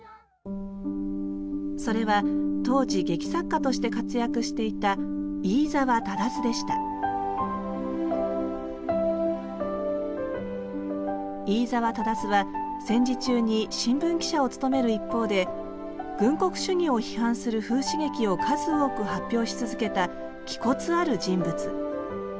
それは当時劇作家として活躍していた飯沢匡は戦時中に新聞記者を務める一方で軍国主義を批判する風刺劇を数多く発表し続けた気骨ある人物。